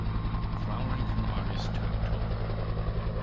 Flowering from August to October.